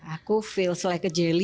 aku merasa seperti jeli